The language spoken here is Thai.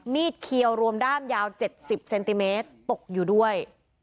มีดเขียวรวมด้ามยาวเจ็ดสิบเซนติเมตรตกอยู่ด้วย